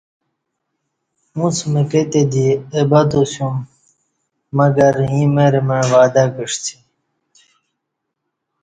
اݩڅ مکہ تے دی اہ بتا سیوم مگر ییں مرہ مع وعدہ کعسی